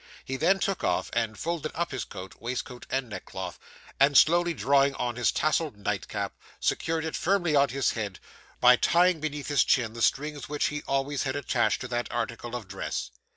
He then took off and folded up his coat, waistcoat, and neckcloth, and slowly drawing on his tasselled nightcap, secured it firmly on his head, by tying beneath his chin the strings which he always had attached to that article of dress.